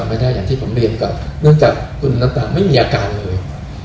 ต่อไปได้อย่างที่ผมเรียนก็จากคุณน้องตาไม่มีอาการเลย